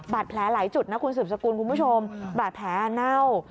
หลายจุดนะคุณสืบสกุลคุณผู้ชมบาดแผลเน่า